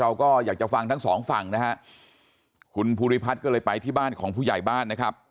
เราก็อยากจะฟังทั้งสองฝั่งนะฮะคุณภูริพัฒน์ก็เลยไปที่บ้านของผู้ใหญ่บ้านนะครับ